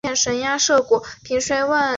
大德十一年。